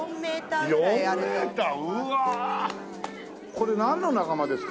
これなんの仲間ですか？